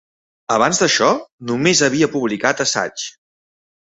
Abans d'això, només havia publicat assaigs.